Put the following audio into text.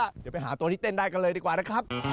เดี๋ยวไปหาตัวที่เต้นได้กันเลยดีกว่านะครับ